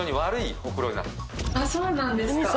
そうなんですか。